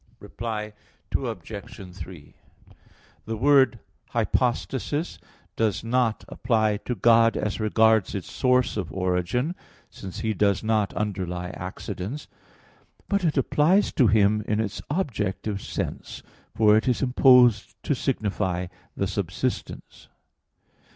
Reply Obj. 3: The word "hypostasis" does not apply to God as regards its source of origin, since He does not underlie accidents; but it applies to Him in its objective sense, for it is imposed to signify the subsistence.